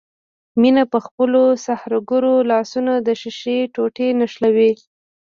مينه په خپلو سحرګرو لاسونو د ښيښې ټوټې نښلوي.